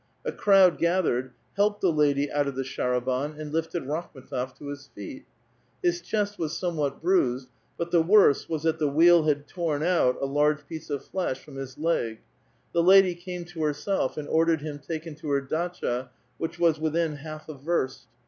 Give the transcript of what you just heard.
A crowd gathered, lielped the lady out of the slicirahan^ and lifted Rakhmetof to his feet. His chest was somewhat bruised, but the worst ^was that the wheel had torn out a large piece of flesh from Ills leg. The lady came to herself, and ordered him taken to lier datcha^ which was within half a verst.